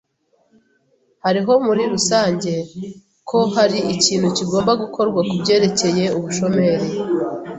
Hariho muri rusange ko hari ikintu kigomba gukorwa kubyerekeye ubushomeri.